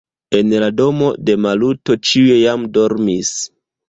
En la domo de Maluto ĉiuj jam dormis.